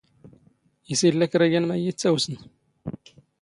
ⵉⵙ ⵉⵍⵍⴰ ⴽⵔⴰ ⵏ ⵢⴰⵏ ⵎⴰⴷ ⵉⵢⵉ ⵉⵜⵜⴰⵡⵙⵏ?